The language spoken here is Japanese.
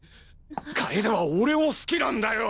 楓は俺を好きなんだよ！